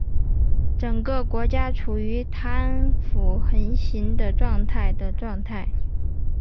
整个国家处于贪腐横行的状态的状态。